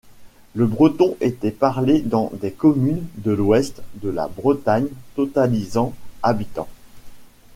Le breton était parlé dans des communes de l'ouest de la Bretagne totalisant habitants.